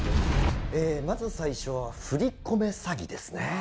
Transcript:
まず最初は振り込め詐欺ですね。